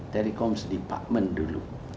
telekom di bagmen dulu